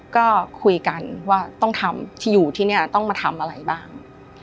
ก็คุยกันว่าต้องทำที่อยู่ที่นี่ต้องมาทำอะไรบ้าง